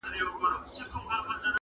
دا کيسه د فکر سيوری دی تل,